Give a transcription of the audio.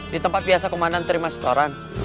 di tempat biasa komandan terima setoran